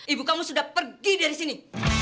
ibu kamu sudah pergi dari sini